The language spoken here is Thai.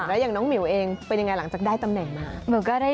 แล้วอย่างน้องหมิวเองเป็นยังไงหลังจากได้ตำแหน่งมา